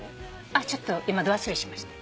あっちょっと今度忘れしました。